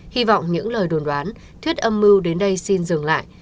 hy vọng những lời đồn đoán thuyết âm mưu đến đây xin dừng lại